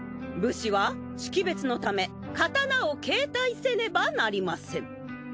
武士は識別のため刀を携帯せねばなりません。